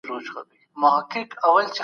د اقتصادي پرمختيا په اړه بحثونه ترسره کيږي.